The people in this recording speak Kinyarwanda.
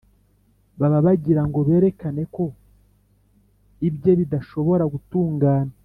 baba bagira ngo berekane ko ibye bidashobora gutungana